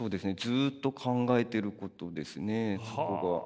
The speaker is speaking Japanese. ずっと考えていることですね。